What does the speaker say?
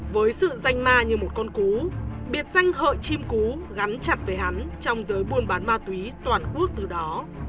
với sự danh ma như một con cú biệt danh hợi chim cú gắn chặt với hắn trong giới buôn bán ma túy toàn quốc từ đó